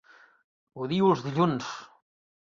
Odio els dilluns!